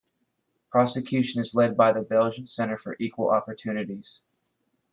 Prosecution is led by the Belgian Centre for Equal Opportunities.